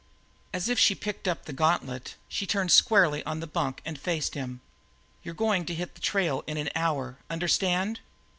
As if she picked up the gauntlet, she turned squarely on the bunk and faced him. "You're going to hit the trail in an hour, understand?"